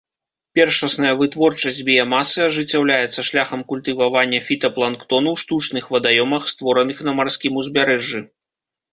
Першасная вытворчасць біямасы ажыццяўляецца шляхам культывавання фітапланктону ў штучных вадаёмах, створаных на марскім узбярэжжы.